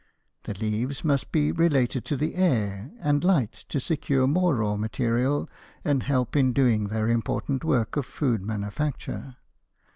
The leaves must be related to the air and light to secure more raw material and help in doing their important work of food manufacture.